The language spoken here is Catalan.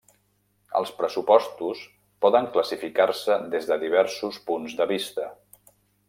Els pressupostos poden classificar-se des de diversos punts de vista.